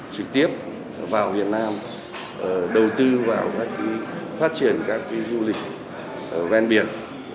trực tiếp vào việt nam đầu tư vào phát triển các du lịch ven biển